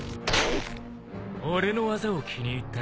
俺の技を気に入ったらしい。